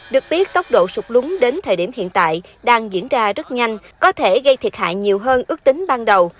được biết tốc độ sụt lún đến thời điểm hiện tại đang diễn ra rất nhanh có thể gây thiệt hại nhiều hơn ước tính ban đầu